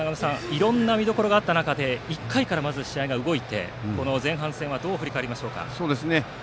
いろんな見どころがあった中１回から試合が動いてこの前半戦はどう振り返りましょうか。